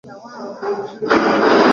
kutokana na uchafuzi wa hewa katika miji